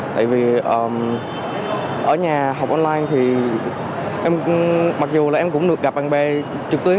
tại vì ở nhà học online thì em mặc dù là em cũng được gặp bạn bè trực tuyến